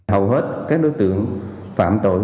hầu hết các đối tượng phạm tội